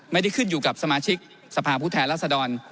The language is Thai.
ไม่ได้ขึ้นอยู่กับสมาชิกสภาพุทธแหละสะดอน